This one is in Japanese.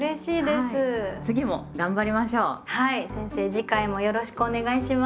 次回もよろしくお願いします。